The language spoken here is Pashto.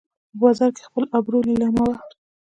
په بازار کې خپل ابرو لیلامومه